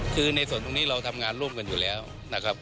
คือในส่วนตรงนี้เราทำงานร่วมกันอยู่แล้วนะครับ